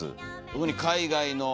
特に海外の。